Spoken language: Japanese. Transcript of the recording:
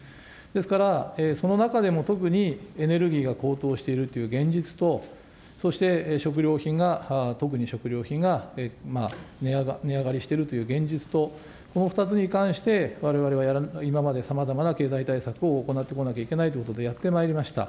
ですから、その中でも特にエネルギーが高騰しているという現実と、そして食料品が、特に食料品が値上がりしているという現実と、この２つに関して、われわれが今までさまざまな経済対策を行ってこなきゃいけないということでやってまいりました。